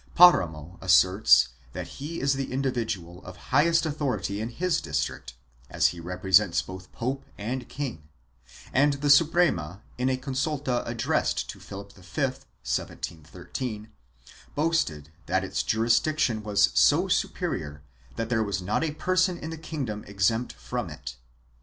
Paramo asserts that he is the individual of highest authority in his district, as he represents both pope and king; and the Suprema, in a consulta addressed to Philip V, in 1713, boasted that its jurisdiction was so superior that there was not a person in the kingdom exempt from it.